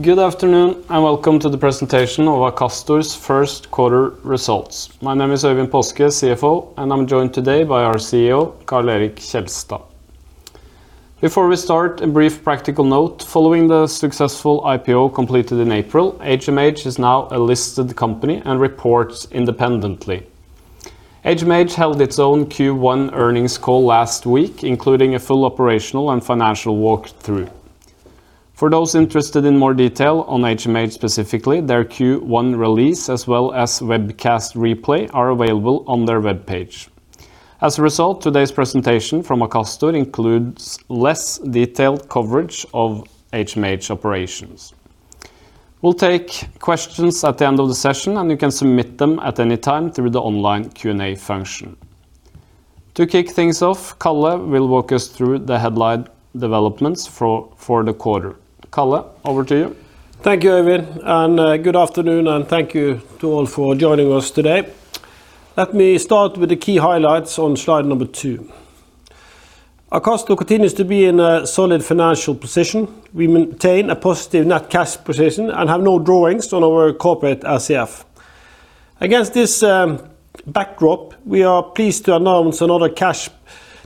Good afternoon, and welcome to the presentation of Akastor's first quarter results. My name is Øyvind Paaske, CFO, and I'm joined today by our CEO, Karl Erik Kjelstad. Before we start, a brief practical note. Following the successful IPO completed in April, HMH is now a listed company and reports independently. HMH held its own Q1 earnings call last week, including a full operational and financial walk through. For those interested in more detail on HMH specifically, their Q1 release, as well as webcast replay, are available on their webpage. As a result, today's presentation from Akastor includes less detailed coverage of HMH operations. We'll take questions at the end of the session, and you can submit them at any time through the online Q&A function. To kick things off, Karl will walk us through the headline developments for the quarter. Karl, over to you. Thank you, Øyvind. Good afternoon, and thank you to all for joining us today. Let me start with the key highlights on slide number two. Akastor continues to be in a solid financial position. We maintain a positive net cash position and have no drawings on our corporate RCF. Against this backdrop, we are pleased to announce another cash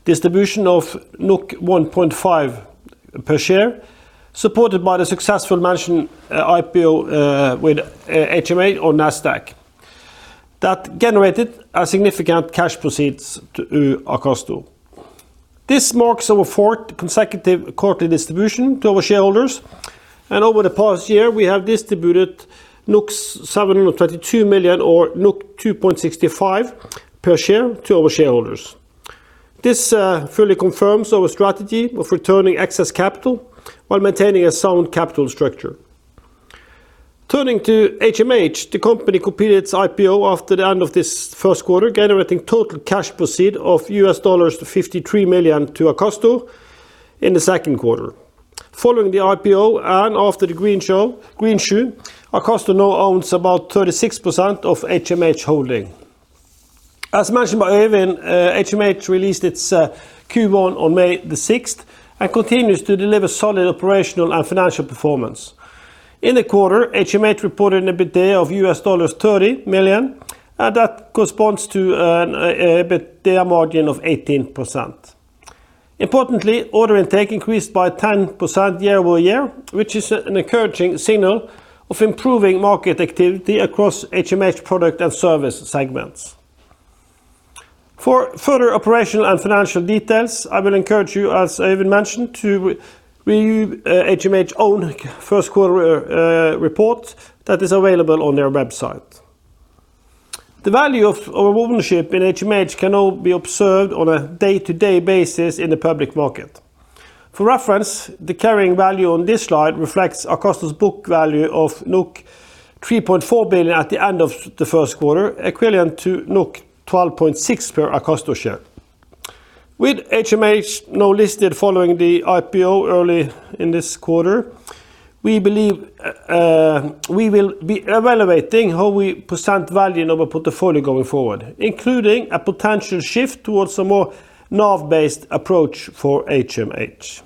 distribution of 1.5 per share, supported by the successful mentioned IPO with HMH on Nasdaq. That generated a significant cash proceeds to Akastor. This marks our fourth consecutive quarterly distribution to our shareholders. Over the past year, we have distributed 722 million or 2.65 per share to our shareholders. This fully confirms our strategy of returning excess capital while maintaining a sound capital structure. Turning to HMH, the company completed its IPO after the end of this first quarter, generating total cash proceed of $53 million to Akastor in the second quarter. Following the IPO and after the greenshoe, Akastor now owns about 36% of HMH Holding. As mentioned by Øyvind, HMH released its Q1 on May the 6th and continues to deliver solid operational and financial performance. In the quarter, HMH reported an EBITDA of $30 million, and that corresponds to an EBITDA margin of 18%. Importantly, order intake increased by 10% year-over-year, which is an encouraging signal of improving market activity across HMH product and service segments. For further operational and financial details, I will encourage you, as Øyvind mentioned, to review HMH own first quarter report that is available on their website. The value of our ownership in HMH can now be observed on a day-to-day basis in the public market. For reference, the carrying value on this slide reflects Akastor's book value of 3.4 billion at the end of the first quarter, equivalent to 12.6 per Akastor share. With HMH now listed following the IPO early in this quarter, we believe we will be evaluating how we present value in our portfolio going forward, including a potential shift towards a more NAV-based approach for HMH.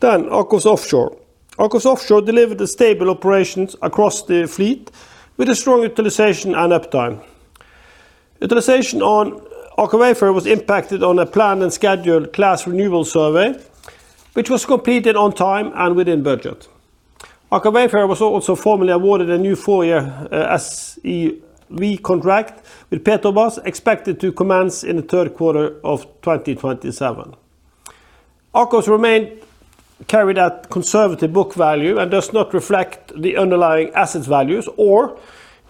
AKOFS Offshore. AKOFS Offshore delivered the stable operations across the fleet with a strong utilization and uptime. Utilization on Aker Wayfarer was impacted on a planned and scheduled class renewal survey, which was completed on time and within budget. Aker Wayfarer was also formally awarded a new four-year SESV contract with Petrobras expected to commence in the third quarter of 2027. AKOFS remain carried at conservative book value and does not reflect the underlying asset values or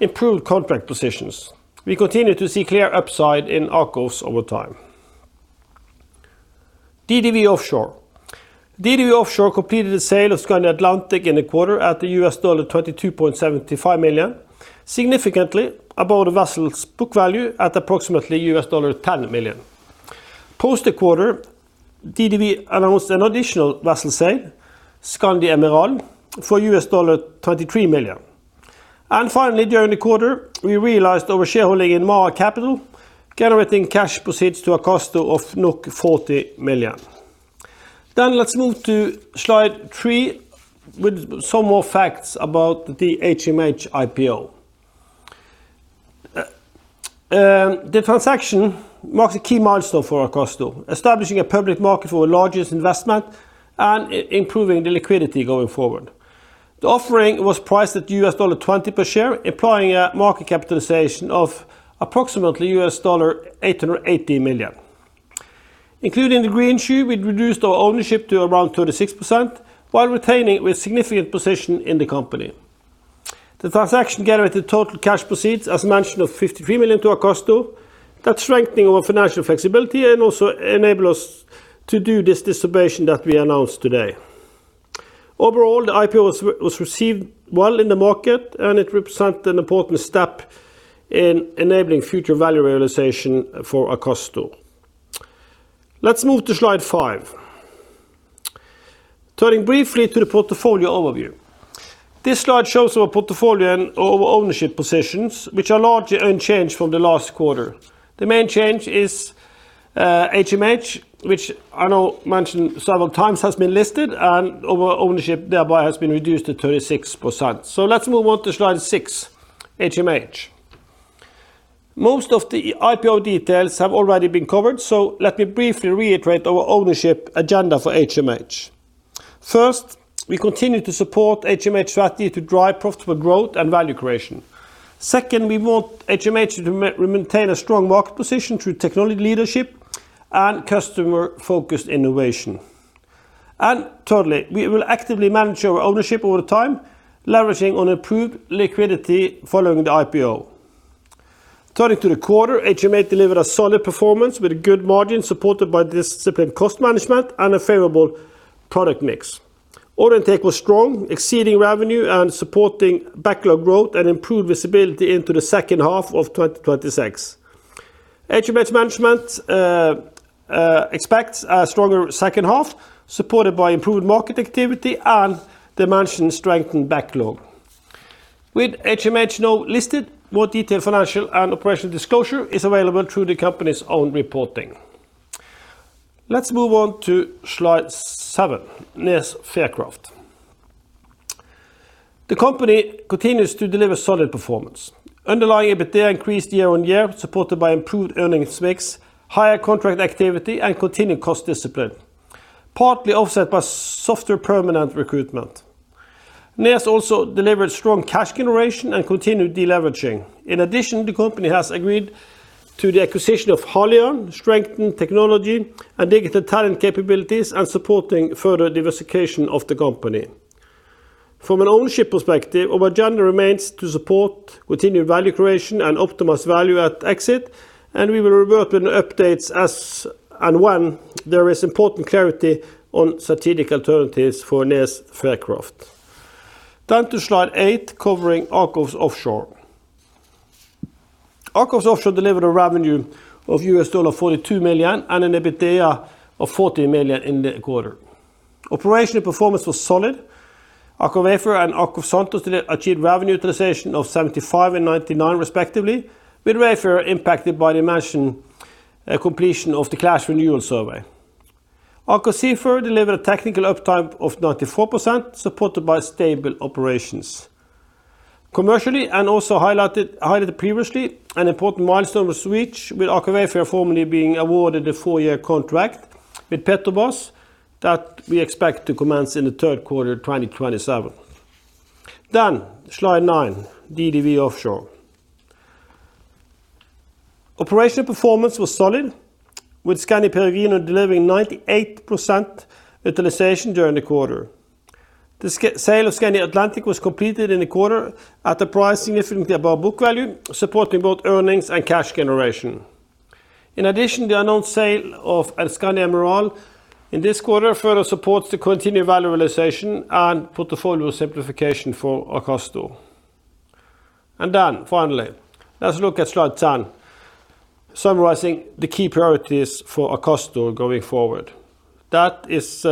improved contract positions. We continue to see clear upside in AKOFS over time. DDW Offshore. DDW Offshore completed the sale of Skandi Atlantic in the quarter at $22.75 million, significantly above the vessel's book value at approximately $10 million. Post the quarter, DDW announced an additional vessel sale, Skandi Emerald, for $23 million. Finally, during the quarter, we realized our shareholding in Maha Capital, generating cash proceeds to Akastor of 40 million. Let's move to slide three with some more facts about the HMH IPO. The transaction marks a key milestone for Akastor, establishing a public market for our largest investment and improving the liquidity going forward. The offering was priced at $20 per share, implying a market capitalization of approximately $880 million. Including the greenshoe, we reduced our ownership to around 36% while retaining a significant position in the company. The transaction generated total cash proceeds, as mentioned, of $53 million to Akastor. That's strengthening our financial flexibility and also enable us to do this distribution that we announced today. Overall, the IPO was received well in the market, it represent an important step in enabling future value realization for Akastor. Let's move to slide five. Turning briefly to the portfolio overview. This slide shows our portfolio and our ownership positions, which are largely unchanged from the last quarter. The main change is HMH, which I know mentioned several times has been listed and our ownership thereby has been reduced to 36%. Let's move on to slide six, HMH. Most of the IPO details have already been covered. Let me briefly reiterate our ownership agenda for HMH. First, we continue to support HMH strategy to drive profitable growth and value creation. Second, we want HMH to re-maintain a strong market position through technology leadership and customer-focused innovation. Thirdly, we will actively manage our ownership over time, leveraging on improved liquidity following the IPO. Turning to the quarter, HMH delivered a solid performance with a good margin supported by disciplined cost management and a favorable product mix. Order intake was strong, exceeding revenue and supporting backlog growth and improved visibility into the second half of 2026. HMH management expects a stronger second half supported by improved market activity and the mentioned strengthened backlog. With HMH now listed, more detailed financial and operational disclosure is available through the company's own reporting. Let's move on to slide seven, NES Fircroft. The company continues to deliver solid performance. Underlying EBITDA increased year on year, supported by improved earnings mix, higher contract activity, and continued cost discipline, partly offset by softer permanent recruitment. NES also delivered strong cash generation and continued deleveraging. In addition, the company has agreed to the acquisition of Haleon, strengthened technology and digital talent capabilities, and supporting further diversification of the company. From an ownership perspective, our agenda remains to support continued value creation and optimize value at exit, and we will revert with updates as and when there is important clarity on strategic alternatives for NES Fircroft. Time to slide eight, covering AKOFS Offshore. AKOFS Offshore delivered a revenue of $42 million and an EBITDA of 40 million in the quarter. Operational performance was solid. Aker Wayfarer and AKOFS Santos achieved revenue utilization of 75% and 99% respectively, with Wayfarer impacted by the mentioned completion of the class renewal survey. AKOFS Seafarer delivered a technical uptime of 94%, supported by stable operations. Commercially, and also highlighted previously, an important milestone was reached with Aker Wayfarer formally being awarded a four-year contract with Petrobras that we expect to commence in Q3 2027. Slide nine, DDW Offshore. Operational performance was solid, with Skandi Peregrino delivering 98% utilization during the quarter. The sale of Skandi Atlantic was completed in the quarter at a price significantly above book value, supporting both earnings and cash generation. In addition, the announced sale of Skandi Emerald in this quarter further supports the continued value realization and portfolio simplification for Akastor. Finally, let's look at slide 10, summarizing the key priorities for Akastor going forward. That is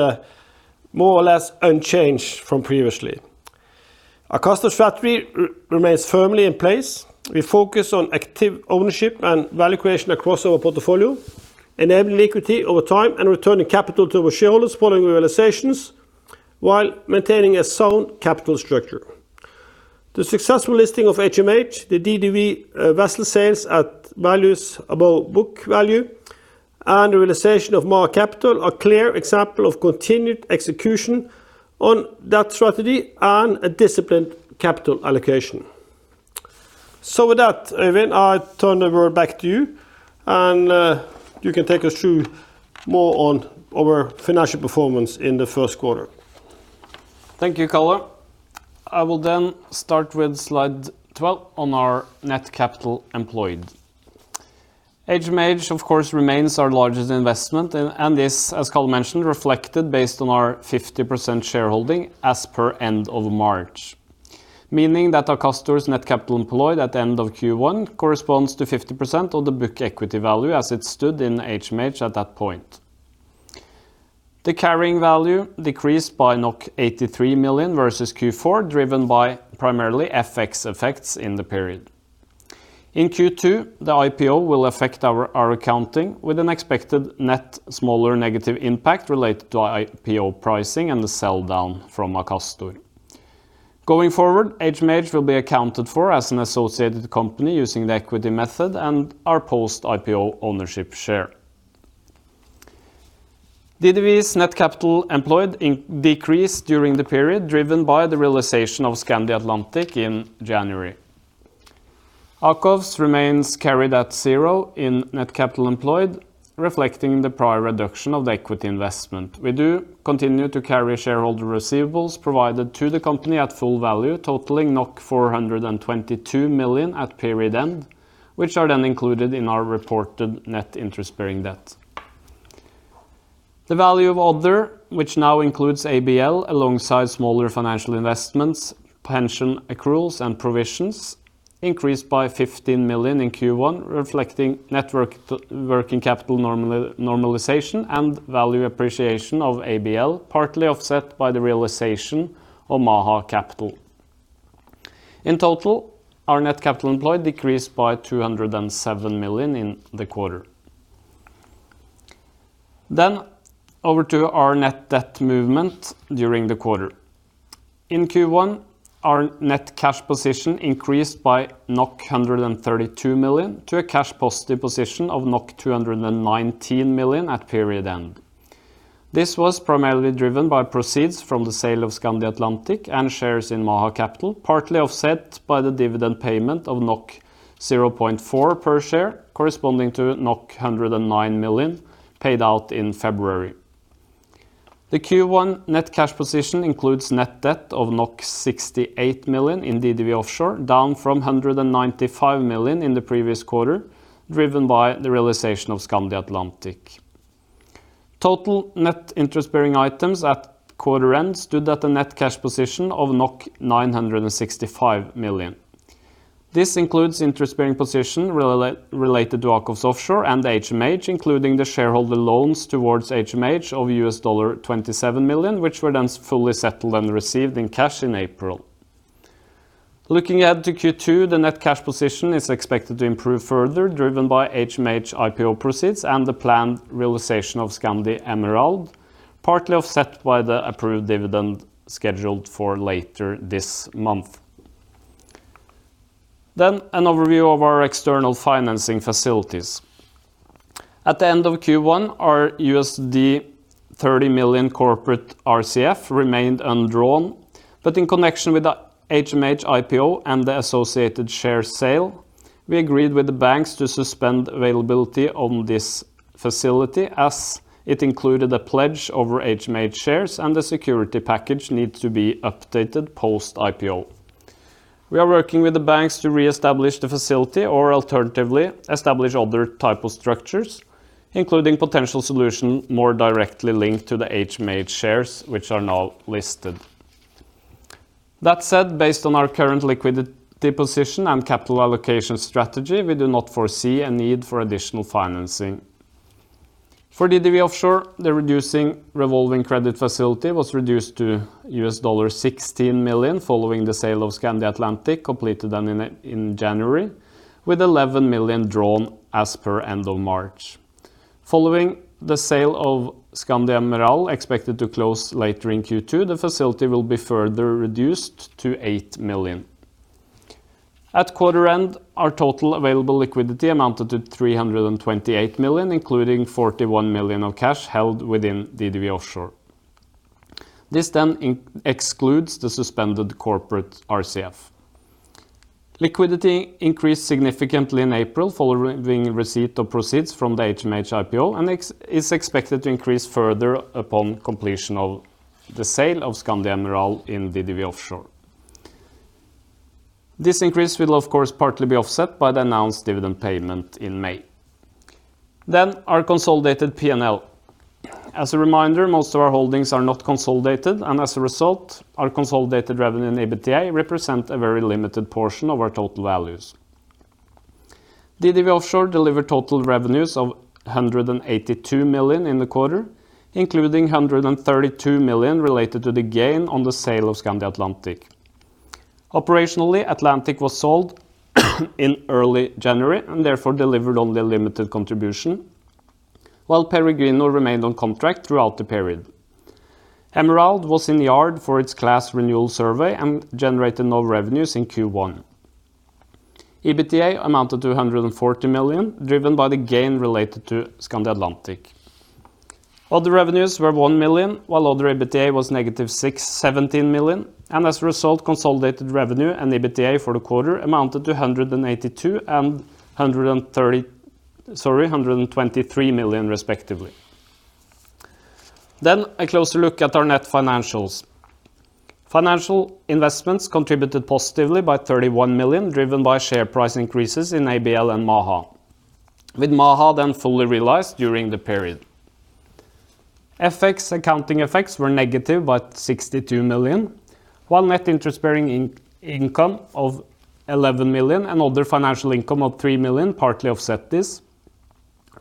more or less unchanged from previously. Akastor's strategy remains firmly in place. We focus on active ownership and value creation across our portfolio, enabling equity over time and returning capital to our shareholders following realizations, while maintaining a sound capital structure. The successful listing of HMH, the DDW Offshore vessel sales at values above book value, and the realization of more capital are clear example of continued execution on that strategy and a disciplined capital allocation. With that, Øyvind, I turn it over back to you, and you can take us through more on our financial performance in the first quarter. Thank you, Karl. I will start with slide 12 on our net capital employed. HMH, of course, remains our largest investment and is, as Karl mentioned, reflected based on our 50% shareholding as per end of March, meaning that Akastor's net capital employed at the end of Q1 corresponds to 50% of the book equity value as it stood in HMH at that point. The carrying value decreased by 83 million versus Q4, driven by primarily FX effects in the period. In Q2, the IPO will affect our accounting with an expected net smaller negative impact related to IPO pricing and the sell-down from Akastor. Going forward, HMH will be accounted for as an associated company using the equity method and our post-IPO ownership share. DDW's net capital employed decreased during the period, driven by the realization of Skandi Atlantic in January. AKOFS remains carried at zero in net capital employed, reflecting the prior reduction of the equity investment. We do continue to carry shareholder receivables provided to the company at full value, totaling 422 million at period end, which are then included in our reported net interest-bearing debt. The value of other, which now includes ABL alongside smaller financial investments, pension accruals, and provisions, increased by 15 million in Q1, reflecting working capital normalization and value appreciation of ABL, partly offset by the realization of Maha Capital. In total, our net capital employed decreased by 207 million in the quarter. Over to our net debt movement during the quarter. In Q1, our net cash position increased by 132 million to a cash positive position of 219 million at period end. This was primarily driven by proceeds from the sale of Skandi Atlantic and shares in Maha Capital, partly offset by the dividend payment of 0.4 per share, corresponding to 109 million paid out in February. The Q1 net cash position includes net debt of 68 million in DDW Offshore, down from 195 million in the previous quarter, driven by the realization of Skandi Atlantic. Total net interest-bearing items at quarter end stood at the net cash position of 965 million. This includes interest-bearing position related to AKOFS Offshore and HMH, including the shareholder loans towards HMH of $27 million, which were fully settled and received in cash in April. Looking ahead to Q2, the net cash position is expected to improve further driven by HMH IPO proceeds and the planned realization of Skandi Emerald, partly offset by the approved dividend scheduled for later this month. An overview of our external financing facilities. At the end of Q1, our $30 million corporate RCF remained undrawn. In connection with the HMH IPO and the associated share sale, we agreed with the banks to suspend availability on this facility as it included a pledge over HMH shares and the security package needs to be updated post-IPO. We are working with the banks to reestablish the facility or alternatively establish other type of structures, including potential solution more directly linked to the HMH shares which are now listed. That said, based on our current liquidity position and capital allocation strategy, we do not foresee a need for additional financing. For DDW Offshore, the reducing revolving credit facility was reduced to $16 million following the sale of Skandi Atlantic completed then in January with 11 million drawn as per end of March. Following the sale of Skandi Emerald expected to close later in Q2, the facility will be further reduced to 8 million. At quarter end, our total available liquidity amounted to 328 million, including 41 million of cash held within DDW Offshore. This excludes the suspended corporate RCF. Liquidity increased significantly in April following receipt of proceeds from the HMH IPO and is expected to increase further upon completion of the sale of Skandi Emerald in DDW Offshore. This increase will of course partly be offset by the announced dividend payment in May. Our consolidated P&L. As a reminder, most of our holdings are not consolidated, and as a result, our consolidated revenue and EBITDA represent a very limited portion of our total values. DDW Offshore delivered total revenues of 182 million in the quarter, including 132 million related to the gain on the sale of Skandi Atlantic. Operationally, Atlantic was sold in early January and therefore delivered only a limited contribution, while Peregrino remained on contract throughout the period. Skandi Emerald was in yard for its class renewal survey and generated no revenues in Q1. EBITDA amounted to 140 million, driven by the gain related to Skandi Atlantic. Other revenues were 1 million, while other EBITDA was negative 617 million and as a result, consolidated revenue and EBITDA for the quarter amounted to 182 million and 123 million respectively. A closer look at our net financials. Financial investments contributed positively by 31 million, driven by share price increases in ABL and Maha, with Maha then fully realized during the period. FX accounting effects were negative by 62 million, while net interest-bearing income of 11 million and other financial income of 3 million partly offset this,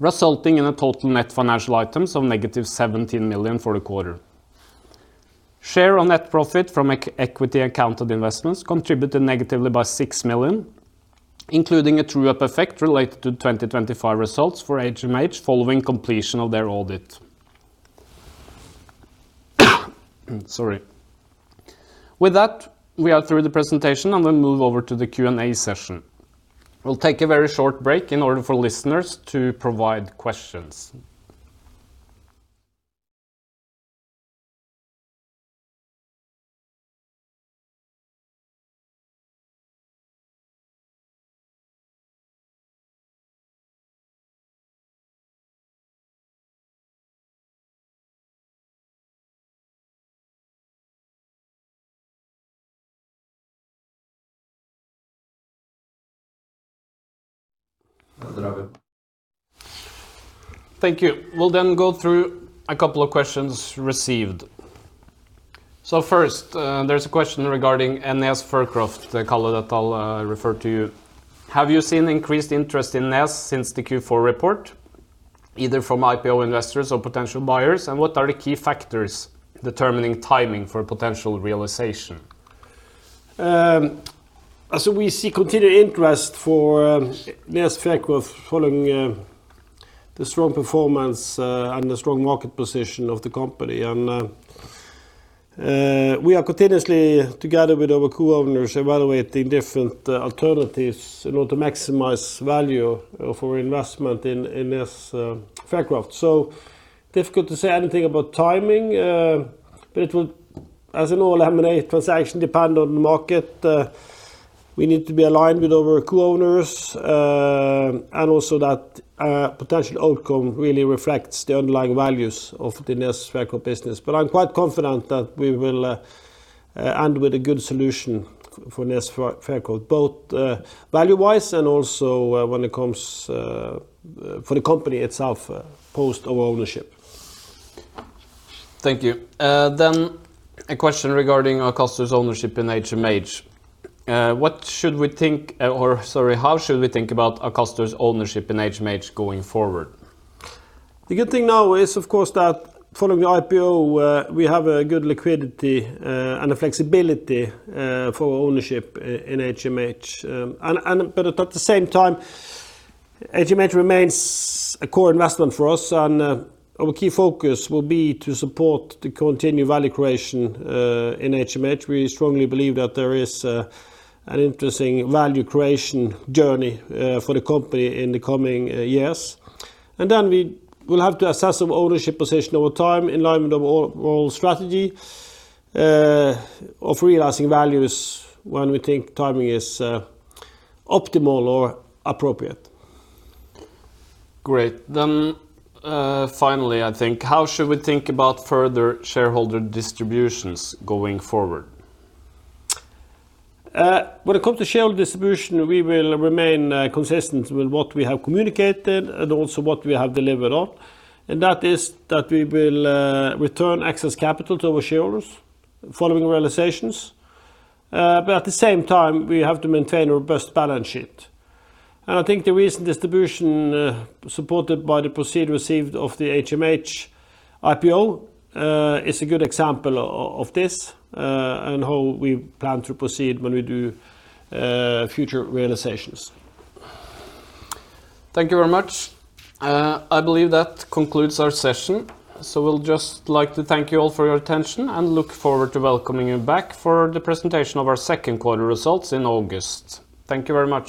resulting in a total net financial items of -17 million for the quarter. Share on net profit from equity accounted investments contributed negatively by 6 million, including a true-up effect related to 2025 results for HMH following completion of their audit. Sorry. With that, we are through the presentation and we move over to the Q&A session. We'll take a very short break in order for listeners to provide questions. Thank you. We'll go through a couple of questions received. First, there's a question regarding NES Fircroft, the caller that I'll refer to you. Have you seen increased interest in NES since the Q4 report? either from IPO investors or potential buyers, and what are the key factors determining timing for potential realization? We see continued interest for NES Fircroft following the strong performance and the strong market position of the company. We are continuously together with our co-owners evaluating different alternatives in order to maximize value of our investment in this NES Fircroft. Difficult to say anything about timing, but it will, as in all M&A transaction, depend on the market. We need to be aligned with our co-owners, and also that potential outcome really reflects the underlying values of the NES Fircroft business. I'm quite confident that we will end with a good solution for NES Fircroft, both value-wise and also when it comes for the company itself, post our ownership. Thank you. A question regarding Akastor's ownership in HMH. How should we think about Akastor's ownership in HMH going forward? The good thing now is, of course, that following the IPO, we have a good liquidity and a flexibility for ownership in HMH. But at the same time, HMH remains a core investment for us, and our key focus will be to support the continued value creation in HMH. We strongly believe that there is an interesting value creation journey for the company in the coming years. Then we will have to assess our ownership position over time in line with our overall strategy of realizing values when we think timing is optimal or appropriate. Great. Finally, I think, how should we think about further shareholder distributions going forward? When it comes to shareholder distribution, we will remain consistent with what we have communicated and also what we have delivered on and that is that we will return excess capital to our shareholders following realizations. At the same time we have to maintain a robust balance sheet. I think the recent distribution, supported by the proceed received of the HMH IPO, is a good example of this, and how we plan to proceed when we do future realizations. Thank you very much. I believe that concludes our session. We'll just like to thank you all for your attention and look forward to welcoming you back for the presentation of our second quarter results in August. Thank you very much.